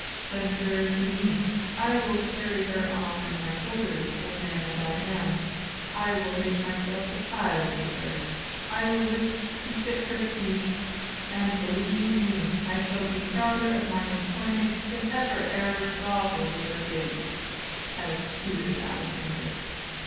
Send her to me; I will carry her on my shoulders, old man as I am. I will make myself a child with her; I will lisp to fit her speech; and, believe me, I shall be prouder of my employment than ever Aristotle was of his" [as tutor to Alexander.